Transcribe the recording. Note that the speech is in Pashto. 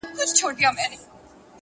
دا ارزښتمن شى په بټوه كي ساته.